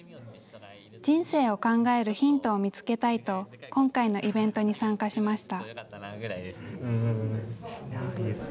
人生を考えるヒントを見つけたいと、今回のイベントに参加しました。